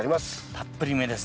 たっぷりめですね。